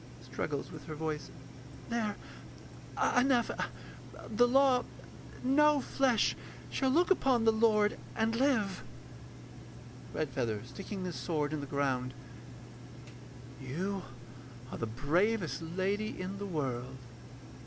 [Struggles with her voice.] There ... enough ... the law No flesh shall look upon the Lord and live. REDFEATHER [sticking his sword in the ground]. You are the bravest lady in the world.